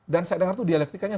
dan saya dengar itu dialektikanya